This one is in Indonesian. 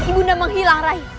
ibu nda menghilang rai